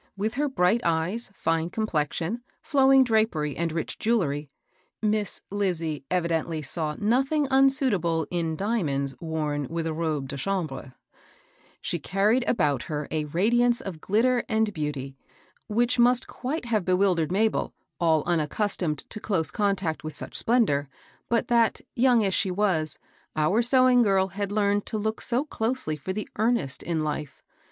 With her bright eyes, fine complexion, flowing drapery, and rich jewelry (Miss Lizie evidently saw nothing unsuitable in diamonds worn with a robe^de chambre) J she carried about her a radiance of glitter and beauty, which must quite have be wildered Mabel, all unaccustomed to close contact with such splendor, but that, young as she was, our sewing girl had learned to look so closely for the earnest in life.